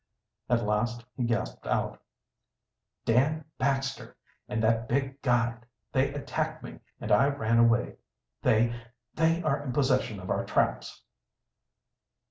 At last he gasped out: "Dan Baxter and that big guide they attacked me and I ran away. They they are in possession of our traps."